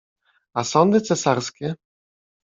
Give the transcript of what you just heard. A sądy cesarskie?